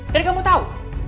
jadi kamu tahu